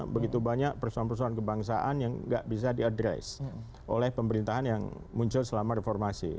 begitu banyak persoalan persoalan kebangsaan yang nggak bisa diadres oleh pemerintahan yang muncul selama reformasi